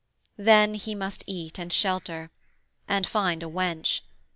Then he must eat and shelter and find a wench.